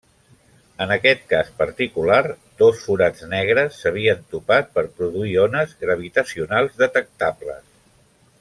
En aquest cas particular, dos forats negres s'havien topat per produir ones gravitacionals detectables.